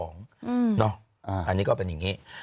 อันนี้ก็เป็นอย่างนี้